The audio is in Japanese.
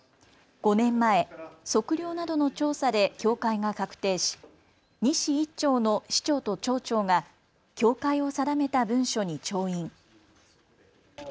５年前、測量などの調査で境界が確定し、２市１町の市長と町長が境界を定めた文書に調印。